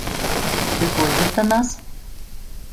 Ты пойдзеш да нас?